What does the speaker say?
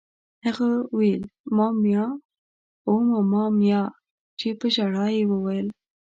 هغه یې ویل: مامیا! اوه ماما میا! چې په ژړا یې وویل.